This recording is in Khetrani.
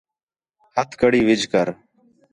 ہتھ کڑی وِجھ کر